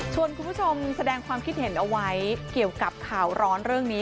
คุณผู้ชมแสดงความคิดเห็นเอาไว้เกี่ยวกับข่าวร้อนเรื่องนี้